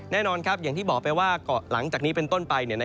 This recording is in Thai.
แน่นอนครับอย่างที่บอกไปว่าหลังจากนี้เป็นต้นไป